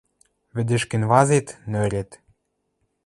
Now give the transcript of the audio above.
Вӹдӹш кенвазат — нӧрет